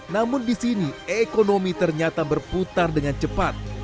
namun di sini ekonomi ternyata berputar dengan cepat